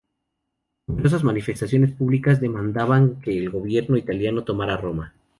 Numerosas manifestaciones públicas demandaban que el gobierno italiano tomara Roma.